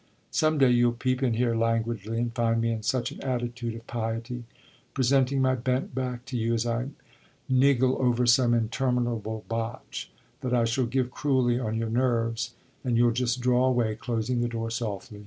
Some day you'll peep in here languidly and find me in such an attitude of piety presenting my bent back to you as I niggle over some interminable botch that I shall give cruelly on your nerves and you'll just draw away, closing the door softly.